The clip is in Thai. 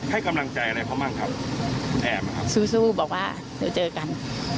ให้กำลังใจเรากับกันคะแอมต์ครับสู้บอกว่าเดี๋ยวเจอกัน